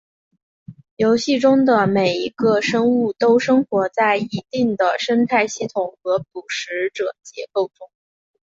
游戏中的每一个生物都生活在一定的生态系统和捕食者结构中。